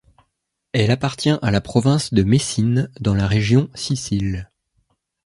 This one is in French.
Elle appartient à la province de Messine dans la région Sicile.